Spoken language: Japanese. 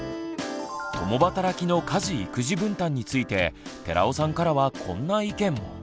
共働きの家事育児分担について寺尾さんからはこんな意見も。